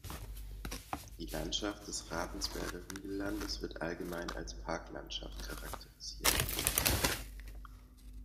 Die Landschaft des Ravensberger Hügellandes wird allgemein als Parklandschaft charakterisiert.